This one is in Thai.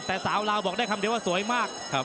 แต่สาวลาวบอกได้คำเดียวว่าสวยมาก